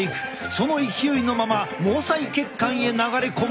その勢いのまま毛細血管へ流れ込むと。